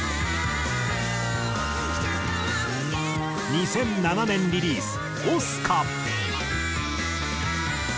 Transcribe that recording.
２００７年リリース『ＯＳＣＡ』。